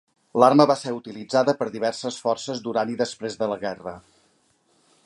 L'arma va ser utilitzada per diverses forces durant i després de la guerra.